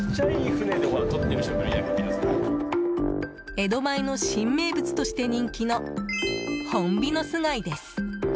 江戸前の新名物として人気のホンビノス貝です。